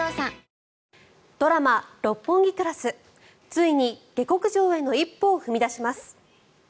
ついに、下克上への一歩を踏み出します。